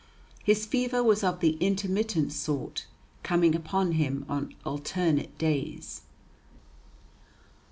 His fever was of the intermittent sort, coming upon him on alternate days.